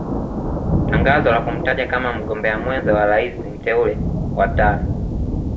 Tangazo la kumtaja kama mgombea mwenza wa rais mteule wa tano